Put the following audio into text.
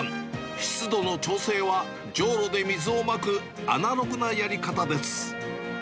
湿度の調整はじょうろで水をまくアナログなやり方です。